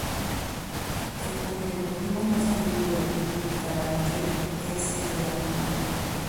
El polideportivo más antiguo de Carabanchel es el de la Mina.